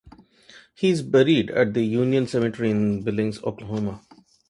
He is buried at the Union Cemetery in Billings, Oklahoma.